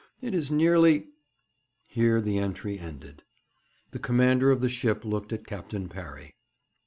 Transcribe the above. It is nearly ' Here the entry ended. The commander of the ship looked at Captain Parry.